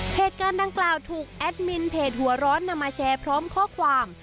เหตุการณ์ดังกล่าวถูกแอดมินเพจหัวร้อนนำมาแชร์พร้อมข้อความ